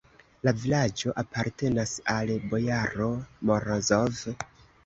La vilaĝo apartenas al bojaro Morozov!